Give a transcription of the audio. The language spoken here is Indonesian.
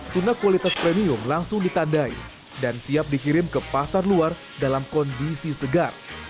tuna kualitas premium langsung ditandai dan siap dikirim ke pasar luar dalam kondisi segar